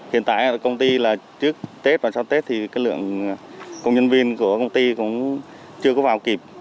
hiện tại công ty là trước tết và sau tết thì cái lượng công nhân viên của công ty cũng chưa có vào kịp